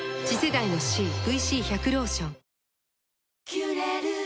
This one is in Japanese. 「キュレル」